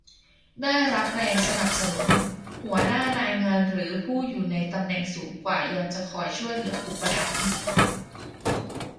ได้รับแรงสนับสนุน หัวหน้านายงานหรือผู้อยู่ในตำแหน่งสูงกว่ายังจะคอยช่วยเหลืออุปถัมภ์